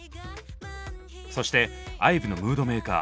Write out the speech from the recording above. そしてＩＶＥのムードメーカー